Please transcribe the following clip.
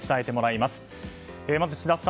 まず千田さん